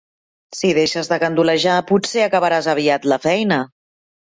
Si deixes de gandulejar potser acabaràs aviat la feina.